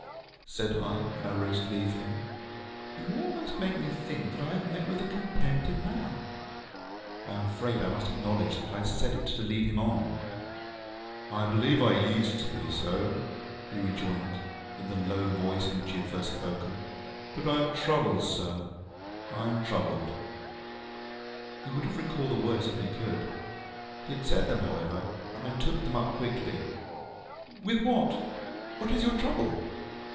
Said I, when I rose to leave him, ŌĆ£You almost make me think that I have met with a contented man. ŌĆØ (I am afraid I must acknowledge that I said it to lead him on.) ŌĆ£I believe I used to be so, ŌĆØ he rejoined, in the low voice in which he had first spoken; ŌĆ£but I am troubled, sir, I am troubled. ŌĆØ He would have recalled the words if he could. He had said them, however, and I took them up quickly. ŌĆ£With what? What is your trouble?